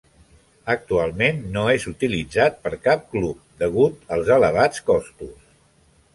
Actualment no és utilitzat per cap club, degut als elevats costos.